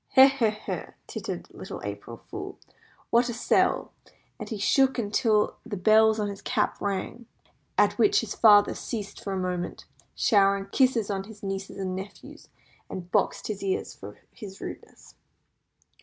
"He! he! he!" tittered little April Fool. "What a sell!" And he shook until the bells on his cap rang; at which his father ceased for a moment showering kisses on his nieces and nephews, and boxed his ears for his rudeness.